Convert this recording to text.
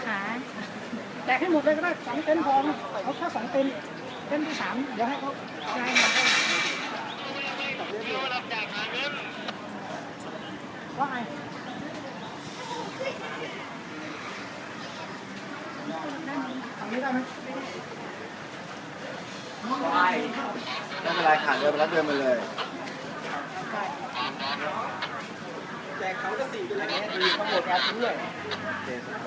แปะให้หมดเลยก็ได้๓เตนพร้อม